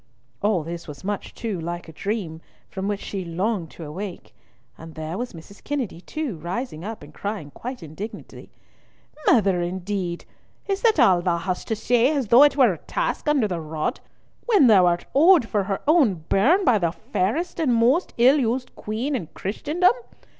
All this was much too like a dream, from which she longed to awake. And there was Mrs. Kennedy too, rising up and crying quite indignantly—"Mother indeed! Is that all thou hast to say, as though it were a task under the rod, when thou art owned for her own bairn by the fairest and most ill used queen in Christendom?